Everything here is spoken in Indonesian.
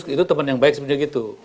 itu teman yang baik sebenarnya gitu